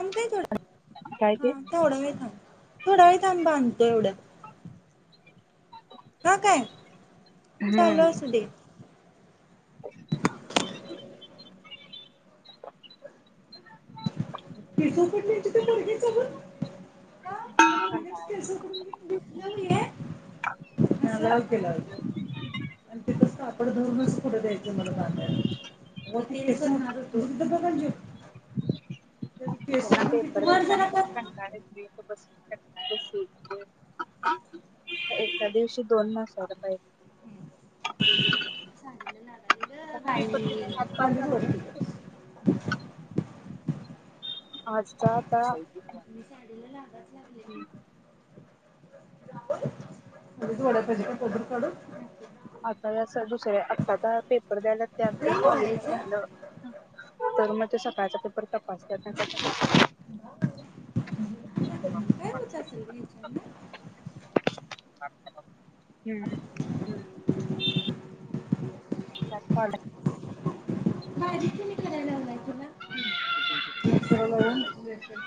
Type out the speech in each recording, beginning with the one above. थांब काय थोड काय हा ते थोडा वेळ थोडा वेळ थांबा आणतो एवढं हा काय हूं चालू [inaudible] असू दे [unintelligible] तेच्यावर पडली तिथे पोरगी [unintelligible] कुठं द्यायचं मला बांधायला [unintelligible] त्याचे केस त्यांना उकडून किती पेपर वर जरा देताना कर कंटाळा येतोय इथं बसून एका दिवशी दोन नसायला पाहिजे. साडीला लागायली ग आता [unintelligible] पेपर दिले बाई ह्यात पास खालीच झाल वर तर केलं [unintelligible] आजचा आता मी साडीला लागाच लागले उडीत वडा पाहिजे का कोबर काडून आता या [unintelligible] दुसऱ्या आताचा पेपर द्यायला त्यात जर लई क्वालिफाय लोळायचं झालं तर मग ते सकाळचा पेपर तपासल्याचा [unintelligible] काय होत असेल ग ह्याच्यानं [unintelligible] हम्म हम्म [unintelligible] स लावून [unintelligible]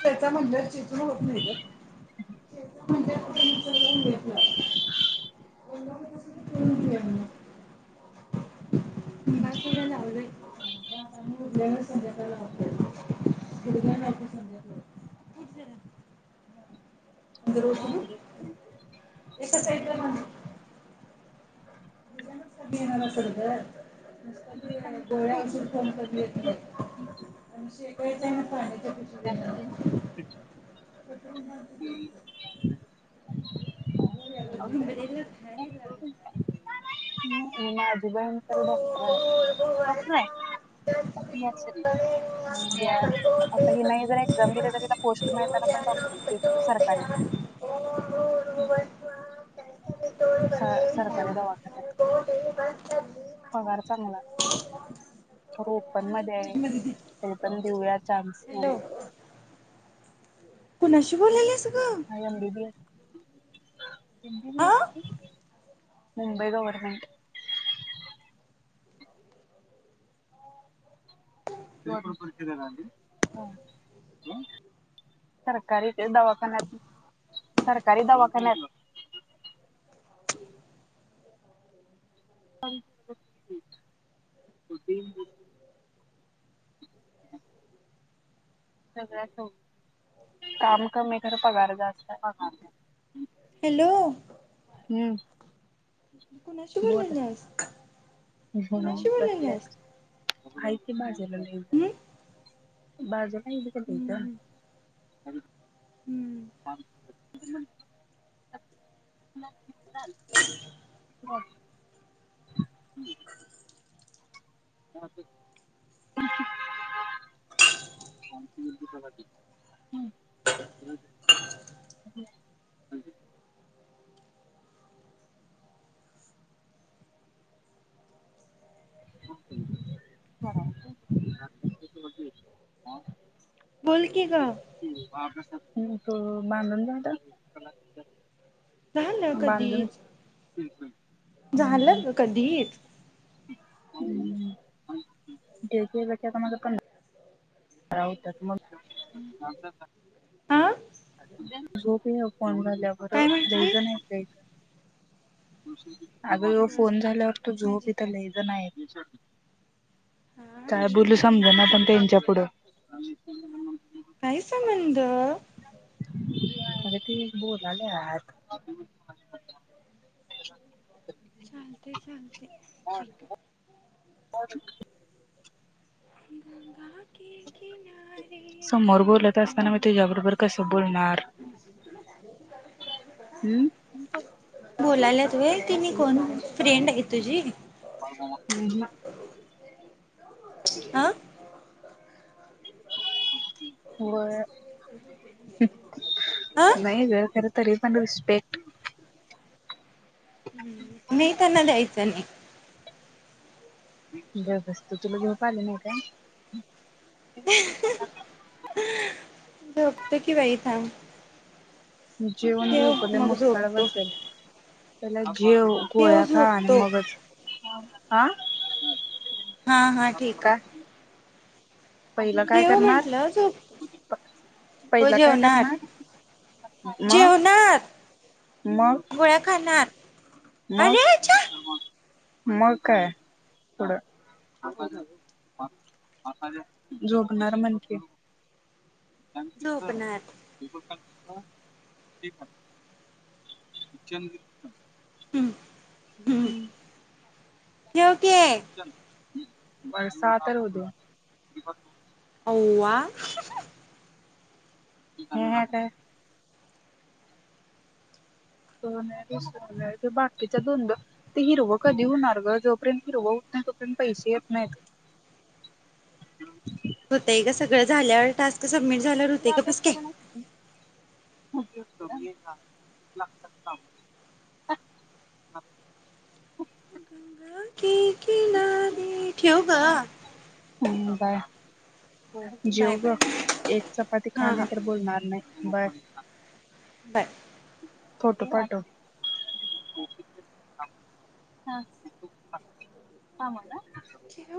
चेचा म्हणल्यावर चेचून होत नाही ग म्हणजे कुठ [unintelligible] [unintelligible] [unintelligible] बासूव्या लावलंय [unintelligible] संध्याकाळी लावतय, [unintelligible] संध्याकाळी लावतय खूप झालं माझी [unintelligible] एका साईडला बांधा [unintelligible] कधी येणार असलं ग नुसतं ते गोळ्या [unintelligible] कमी येत नाही [unintelligible] तेच आहे ना पाण्याच्या पिशवीजवळ [unintelligible] हं [unintelligible] [unintelligible] [unintelligible] स सरकारी दवाखान्यात. पगार चांगला तर उत्पन्न तुझं दया फ्रीज मध्ये दे. वेतन देऊयात चान्स हॅलो म्हणून. कुणाशी बोलेलीस. All the best. हा [unintelligible] मुंबई गव्हर्नमेंट. सरकारी ते दवाखान्यात सरकारी दवाखान्यात. [unintelligible] सगळाच सोस काम कमी तर पगार जास्त. हॅलो! हूं! कुणाशी बोललेली आज. हं हं बसल्यात. हायती मस्त. हम्म [unintelligible] बाज. हम्म [unintelligible] [unintelligible] हम्म [inaudible] [unintelligible] [inaudible] [unintelligible] [inaudible] [unintelligible] [unintelligible] [inaudible] [unintelligible] [inaudible] बोल की ग [unintelligible] हूं तू बांधून झालं. झालं बांधून कधीच. [unintelligible] झालं ग कधीच [inaudible] [unintelligible] आ [unintelligible] झोप फोन झाल्यावर म्हटलीस वजण य [unintelligible] [inaudible] आग ह्यो बर फोन बर झाल्यावर ठीक तो आहे माझी झोपी इथ लई जण आईत च्या [unintelligible] हा काय बोलू ठीक आहे समज ना पण त्यांच्या पुढं [unintelligible] काय संबंध? अरे ते बोलले आहात चालते चालते ठीक आहे [inaudible] किनारे समोर बोलत बैठे असताना मी हम तुझ्याबरोबर कसं बोलणार अम होय की कोण हाय फ्रेंड ये तुझी? हम्म हम्म. हा [inaudible] [inaudible] हो अ नाही ग खरतरी रिस्पेक्ट हम्म मी त्यांना द्यायचं नाही ज बसत तुला झोप आली नाही का? ह ह हा आ झोपतो की बाई थांब जेवण ठेव झोपले मग मस्त झोपतो बसेल चला [unintelligible] जेव ठेव गोळ्या खा आणि झोपतो मगच आ हा हा ठीक आहे पहिलं काय ठेव करणार म्हंटलं झोपतो हो पहिलं काय जेवणार करणार मग जेवणार मग? गोळ्या खाणार मग? अरे अच्छा मग काय थोड झोपणार म्हण कि यांना तिथं झोपणार [inaudible] [inaudible] हम्म हम्म ठेव की पण सहा तर होतो. अव्वा हह्या काय सोन सोन ते बाटकीच्या दोन ते हिरव कधी होणार ग जोपर्यंत हिरव होत नाय तोपर्यंत पैसे येत नाहीत. होतय ग सगळं झाल्यावर टास्क सबमिट झाल्यावर होते गप बस की [inaudible] [inaudible] की ठेव ग हम् बाय बाय जेव गप बाय एक चपाती खा हा हा नाहीतर बोलणार नाय बर [inaudible] बाय. फोटो पाठव. हा हा हा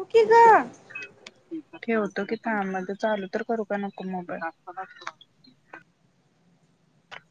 तीच ठेवतो की काममध्ये चालू तर करू का नको मोबाईल